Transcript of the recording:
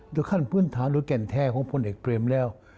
เดี๋ยวขั้นพื้นฐานหรือแก่นแทรกของพ่อเอกเปรมแล้ว